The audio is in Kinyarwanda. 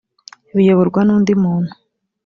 biyoborwa n undi muntu